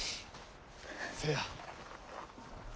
せや。